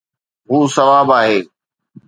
هو سواب آهي